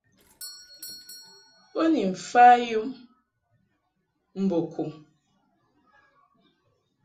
Bo ni mfa yum mbo kum.